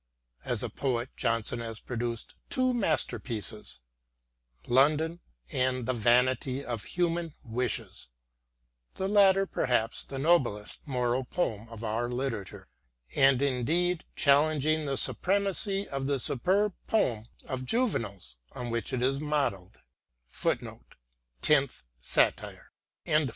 As a poet Johnson has produced two master pieces — "London" and "The Vanity of Human Wishes," the latter perhaps the noblest moral poem in our literature, and indeed challenging the supremacy of the superb poem * of Juvenal's on which it is modelled.